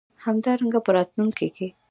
همدارنګه په راتلونکې کې